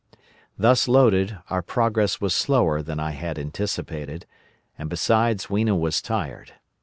Thus loaded, our progress was slower than I had anticipated, and besides Weena was tired.